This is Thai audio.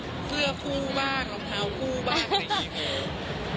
เสื้อคู่บ้างรองเท้าคู่บ้างในอีเฟล